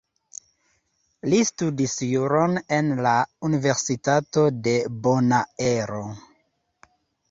Li studis Juron en la Universitato de Bonaero.